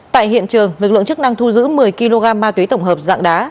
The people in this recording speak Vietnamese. tại hiện trường lực lượng chức năng thu giữ một mươi kg ma túy tổng hợp dạng đá